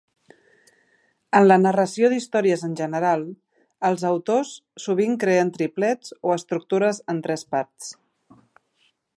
En la narració d'històries en general, els autors sovint creen triplets o estructures en tres parts.